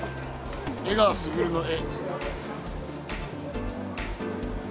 江川卓の「江」。